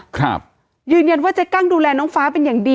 ครับยืนยันว่าเจ๊กั้งดูแลน้องฟ้าเป็นอย่างดี